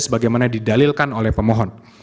sebagaimana didalilkan oleh pemohon